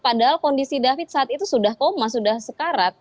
padahal kondisi david saat itu sudah koma sudah sekarat